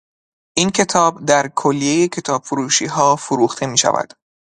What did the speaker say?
این کتاب در کلیهی کتابفروشیها فروخته میشود.